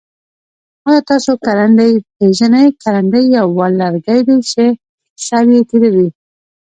آیا تاسو کرندی پیژنی؟ کرندی یو وړ لرګی دی چه سر یي تیره وي.